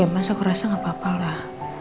mas aku rasa gapapa lah